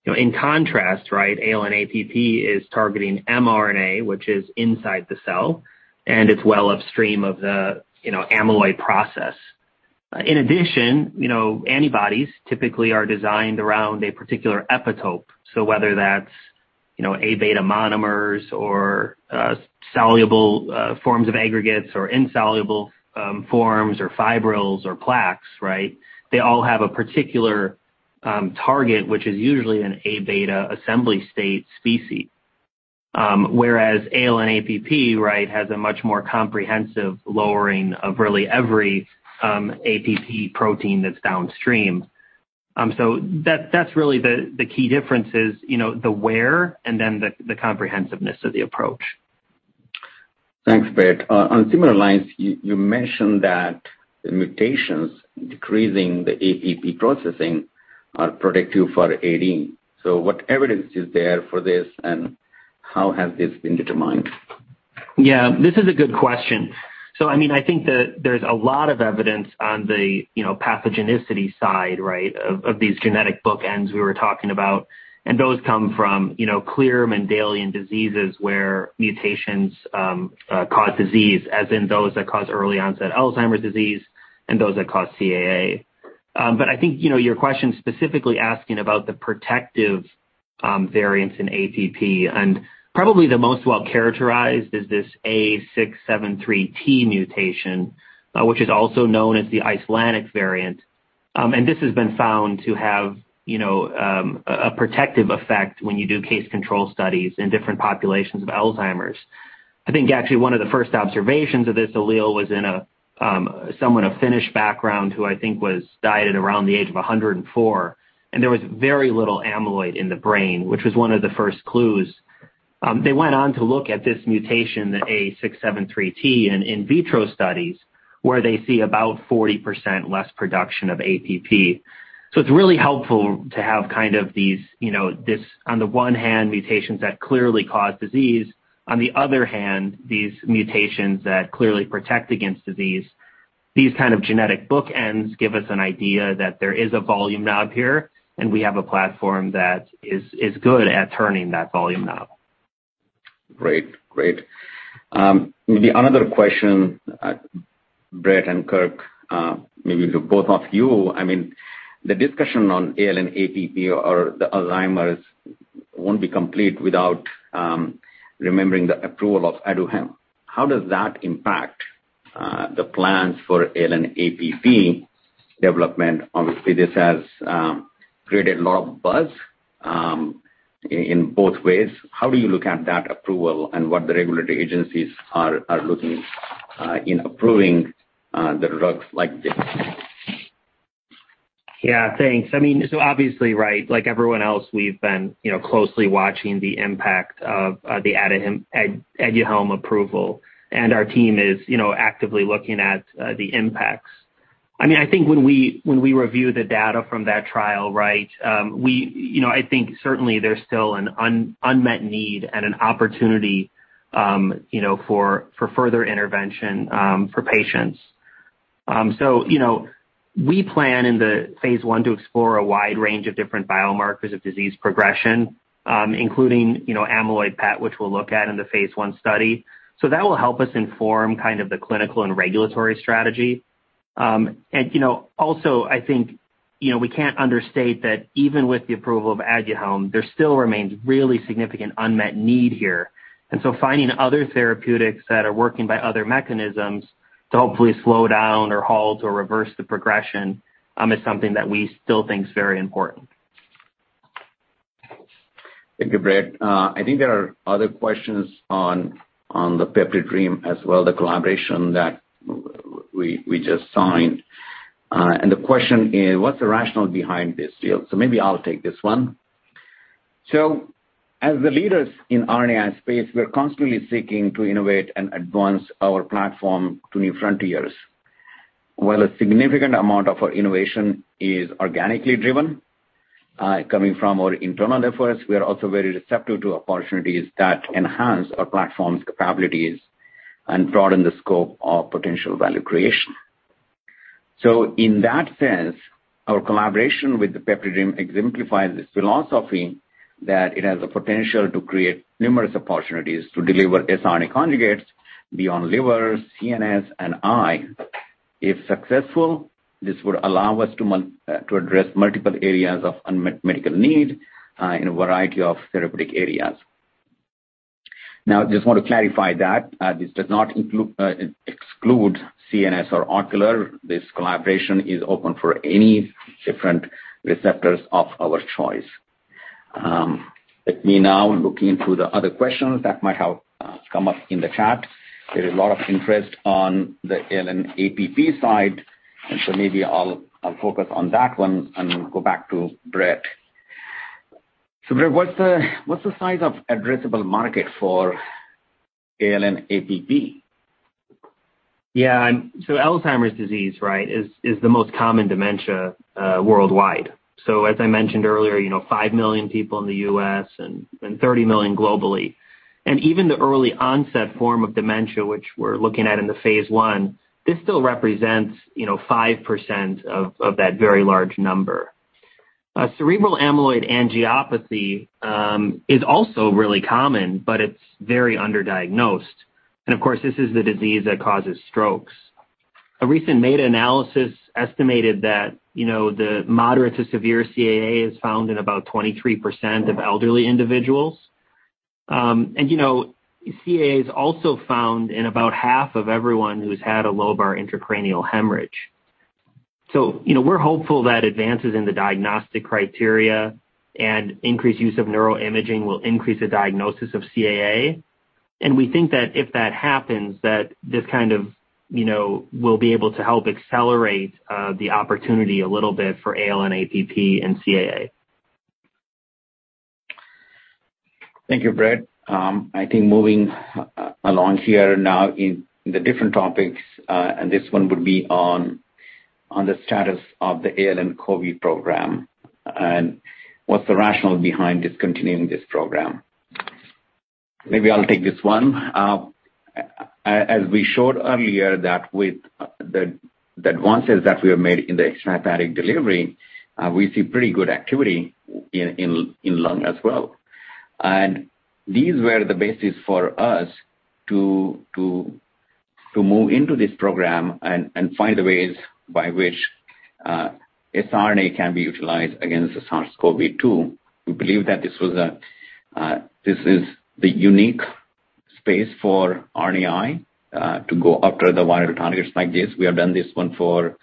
In contrast, right, ALN-APP is targeting mRNA, which is inside the cell, and it's well upstream of the amyloid process. In addition, antibodies typically are designed around a particular epitope. So whether that's A beta monomers or soluble forms of aggregates or insoluble forms or fibrils or plaques, right, they all have a particular target, which is usually an A beta assembly state species. Whereas ALN-APP has a much more comprehensive lowering of really every APP protein that's downstream. So that's really the key difference is the where and then the comprehensiveness of the approach. Thanks, Brett. On similar lines, you mentioned that the mutations decreasing the APP processing are predictive for AD. So what evidence is there for this, and how has this been determined? Yeah. This is a good question. So I mean, I think that there's a lot of evidence on the pathogenicity side, right, of these genetic bookends we were talking about. And those come from clear Mendelian diseases where mutations cause disease, as in those that cause early onset Alzheimer's disease and those that cause CAA. But I think your question specifically asking about the protective variants in APP, and probably the most well-characterized is this A673T mutation, which is also known as the Icelandic variant. And this has been found to have a protective effect when you do case control studies in different populations of Alzheimer's. I think actually one of the first observations of this allele was in someone of Finnish background who I think died at around the age of 104. There was very little amyloid in the brain, which was one of the first clues. They went on to look at this mutation, the A673T, in vitro studies, where they see about 40% less production of APP. So it's really helpful to have kind of these, on the one hand, mutations that clearly cause disease. On the other hand, these mutations that clearly protect against disease. These kind of genetic bookends give us an idea that there is a volume knob here, and we have a platform that is good at turning that volume knob. Great. Great. Maybe another question, Brett and Kirk, maybe to both of you. I mean, the discussion on ALN-APP or the Alzheimer's won't be complete without remembering the approval of Aduhelm. How does that impact the plans for ALN-APP development? Obviously, this has created a lot of buzz in both ways. How do you look at that approval and what the regulatory agencies are looking in approving the drugs like this? Yeah. Thanks. I mean, so obviously, right, like everyone else, we've been closely watching the impact of the Aduhelm approval. And our team is actively looking at the impacts. I mean, I think when we review the data from that trial, right, I think certainly there's still an unmet need and an opportunity for further intervention for patients. So we plan in the phase 1 to explore a wide range of different biomarkers of disease progression, including amyloid PET, which we'll look at in the phase 1 study. So that will help us inform kind of the clinical and regulatory strategy. And also, I think we can't understate that even with the approval of Aduhelm, there still remains really significant unmet need here. And so finding other therapeutics that are working by other mechanisms to hopefully slow down or halt or reverse the progression is something that we still think is very important. Thank you, Brett. I think there are other questions on PeptiDream as well, the collaboration that we just signed. The question is, what's the rationale behind this deal? Maybe I'll take this one. As the leaders in RNAi space, we're constantly seeking to innovate and advance our platform to new frontiers. While a significant amount of our innovation is organically driven coming from our internal efforts, we are also very receptive to opportunities that enhance our platform's capabilities and broaden the scope of potential value creation. In that sense, our collaboration with PeptiDream exemplifies this philosophy that it has the potential to create numerous opportunities to deliver siRNA conjugates beyond liver, CNS, and eye. If successful, this would allow us to address multiple areas of unmet medical need in a variety of therapeutic areas. Now, I just want to clarify that this does not exclude CNS or ocular. This collaboration is open for any different receptors of our choice. Let me now look into the other questions that might have come up in the chat. There is a lot of interest on the ALN-APP side. And so maybe I'll focus on that one and go back to Brett. So Brett, what's the size of addressable market for ALN-APP? Yeah. So Alzheimer's disease, right, is the most common dementia worldwide. So as I mentioned earlier, 5 million people in the U.S. and 30 million globally. And even the early onset form of dementia, which we're looking at in the phase one, this still represents 5% of that very large number. Cerebral amyloid angiopathy is also really common, but it's very underdiagnosed. And of course, this is the disease that causes strokes. A recent meta-analysis estimated that the moderate to severe CAA is found in about 23% of elderly individuals. And CAA is also found in about half of everyone who's had a lobar intracranial hemorrhage. So we're hopeful that advances in the diagnostic criteria and increased use of neuroimaging will increase the diagnosis of CAA. And we think that if that happens, that this kind of will be able to help accelerate the opportunity a little bit for ALN-APP and CAA. Thank you, Brett. I think moving along here now in the different topics, and this one would be on the status of the ALN-COVID program and what's the rationale behind discontinuing this program. Maybe I'll take this one. As we showed earlier that with the advances that we have made in the extrahepatic delivery, we see pretty good activity in lung as well. And these were the basis for us to move into this program and find the ways by which siRNA can be utilized against SARS-CoV-2. We believe that this is the unique space for RNAi to go after the viral targets like this. We have done this one for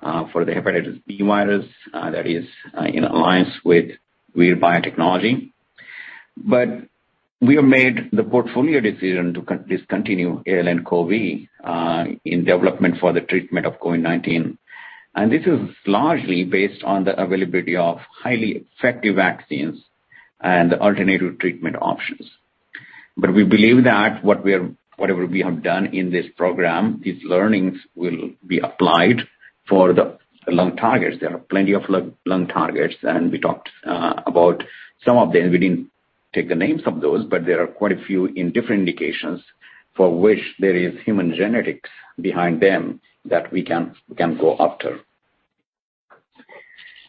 the hepatitis B virus that is in alliance with Vir Biotechnology. But we have made the portfolio decision to discontinue ALN-COVID in development for the treatment of COVID-19. This is largely based on the availability of highly effective vaccines and the alternative treatment options. But we believe that whatever we have done in this program, these learnings will be applied for the lung targets. There are plenty of lung targets, and we talked about some of them. We didn't take the names of those, but there are quite a few in different indications for which there is human genetics behind them that we can go after.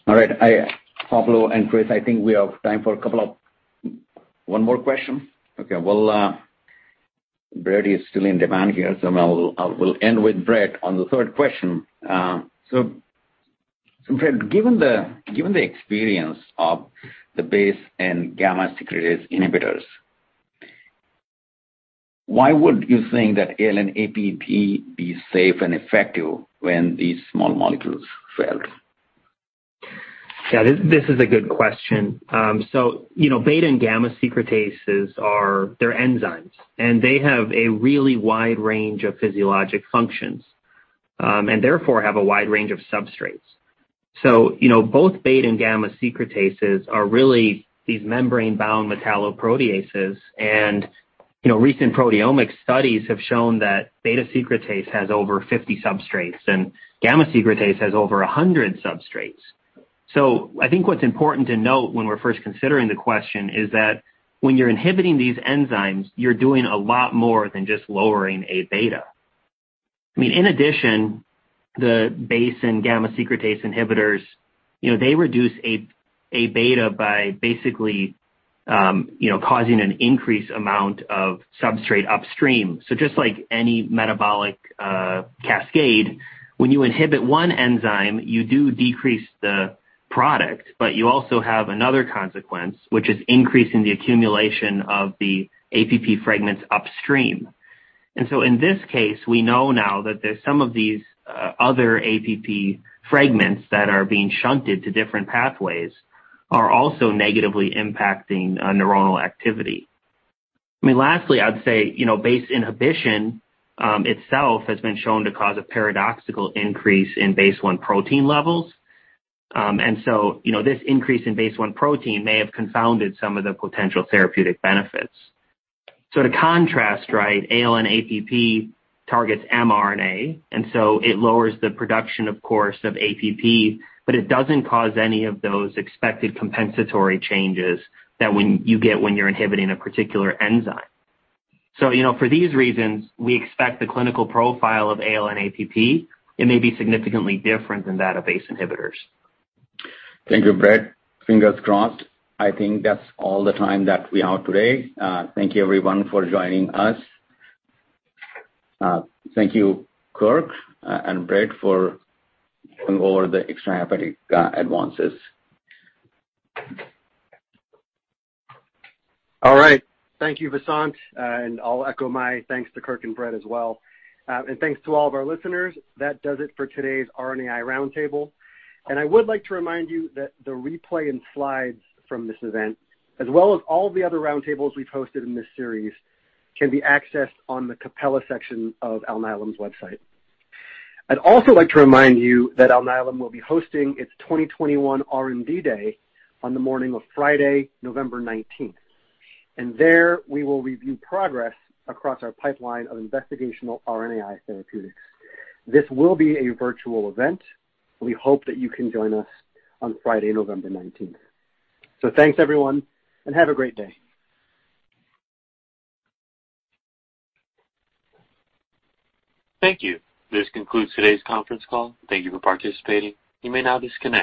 All right. Pablo and Chris, I think we have time for a couple of one more question. Okay. Well, Brett is still in demand here, so I will end with Brett on the third question. So Brett, given the experience of the BACE and gamma secretase inhibitors, why would you think that ALN-APP be safe and effective when these small molecules failed? Yeah. This is a good question. So beta and gamma secretases, they're enzymes, and they have a really wide range of physiologic functions and therefore have a wide range of substrates. So both beta and gamma secretases are really these membrane-bound metalloproteases. And recent proteomics studies have shown that beta secretase has over 50 substrates and gamma secretase has over 100 substrates. So I think what's important to note when we're first considering the question is that when you're inhibiting these enzymes, you're doing a lot more than just lowering A beta. I mean, in addition, the beta and gamma secretase inhibitors, they reduce A beta by basically causing an increased amount of substrate upstream. So just like any metabolic cascade, when you inhibit one enzyme, you do decrease the product, but you also have another consequence, which is increasing the accumulation of the APP fragments upstream. In this case, we know now that there's some of these other APP fragments that are being shunted to different pathways are also negatively impacting neuronal activity. I mean, lastly, I'd say BACE inhibition itself has been shown to cause a paradoxical increase in BACE1 protein levels. This increase in BACE1 protein may have confounded some of the potential therapeutic benefits. To contrast, right, ALN-APP targets mRNA, and so it lowers the production, of course, of APP, but it doesn't cause any of those expected compensatory changes that you get when you're inhibiting a particular enzyme. For these reasons, we expect the clinical profile of ALN-APP. It may be significantly different than that of BACE inhibitors. Thank you, Brett. Fingers crossed. I think that's all the time that we have today. Thank you, everyone, for joining us. Thank you, Kirk and Brett, for going over the extrahepatic advances. All right. Thank you, Vasant. And I'll echo my thanks to Kirk and Brett as well. And thanks to all of our listeners. That does it for today's RNAi roundtable. And I would like to remind you that the replay and slides from this event, as well as all the other roundtables we've hosted in this series, can be accessed on the Capella section of Alnylam's website. I'd also like to remind you that Alnylam will be hosting its 2021 R&D Day on the morning of Friday, November 19th. And there we will review progress across our pipeline of investigational RNAi therapeutics. This will be a virtual event. We hope that you can join us on Friday, November 19th. So thanks, everyone, and have a great day. Thank you. This concludes today's conference call. Thank you for participating. You may now disconnect.